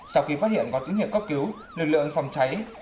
sau khi phát hiện có tín hiệu cấp cứu lực lượng phòng cháy